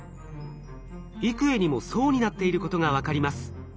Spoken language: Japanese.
幾重にも層になっていることが分かります。